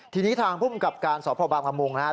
ทีนี้ทางผู้บังกับการสอบพระบาปมะมุงนะครับ